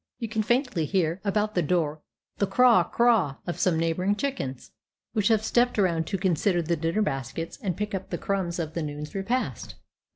You can faintly hear, about the door, the "craw, craw," of some neighboring chickens, which have stepped around to consider the dinner baskets, and pick up the crumbs of the noon's repast.